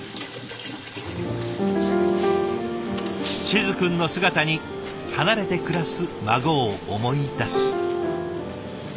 静くんの姿に離れて暮らす孫を思い出す。